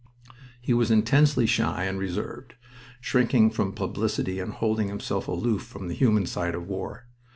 He was intensely shy and reserved, shrinking from publicity and holding himself aloof from the human side of war.